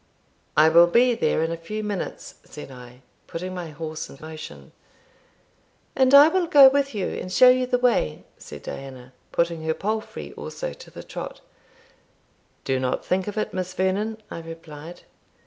"I will be there in a few minutes," said I, putting my horse in motion. "And I will go with you, and show you the way," said Diana, putting her palfrey also to the trot. "Do not think of it, Miss Vernon," I replied.